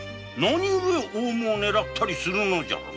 なにゆえオウムを狙ったりするのじゃ？